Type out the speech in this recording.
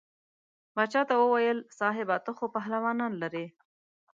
باچا ته وویل صاحبه ته خو پهلوانان لرې.